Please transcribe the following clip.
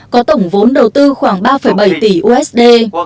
có tổng vốn đầu tư khoảng ba bảy tỷ usd